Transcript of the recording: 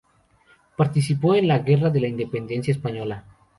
Participó en la Guerra de la Independencia Española.